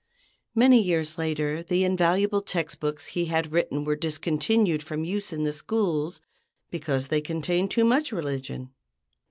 Many years later, the invaluable textbooks he had written were discontinued from use in the schools because they contained too much religion!